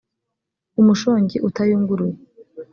umushongi utayunguruye.